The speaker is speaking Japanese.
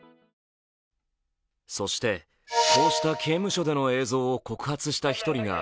そしてこうした刑務所での映像を告発した１人が